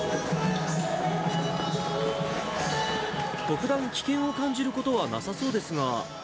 特段、危険を感じることはなさそうですが。